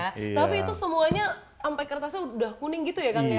tapi itu semuanya sampai kertasnya udah kuning gitu ya kang ya